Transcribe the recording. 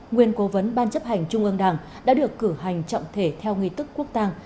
nguyên cố vấn ban chấp hành trung ương đảng đã được cử hành trọng thể theo nghi tức quốc tàng